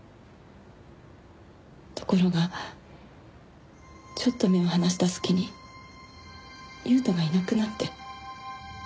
ところがちょっと目を離した隙に勇太がいなくなって。